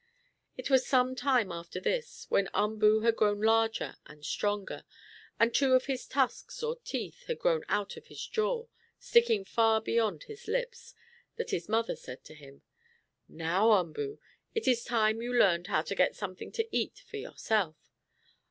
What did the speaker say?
It was some time after this, when Umboo had grown larger and stronger, and two of his tusks or teeth, had grown out of his jaw, sticking far beyond his lips, that his mother said to him: "Now, Umboo, it is time you learned how to get something to eat for yourself.